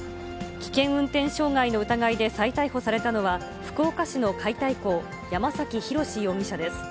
危険運転傷害の疑いで再逮捕されたのは、福岡市の解体工、山崎寛嗣容疑者です。